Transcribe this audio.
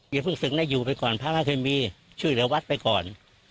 อย่าเพิ่งศึกได้อยู่ไปก่อนพระพระเครมีชื่อเหลือวัฒน์ไปก่อน